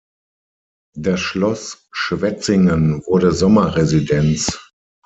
Das Schloss Schwetzingen wurde Sommerresidenz.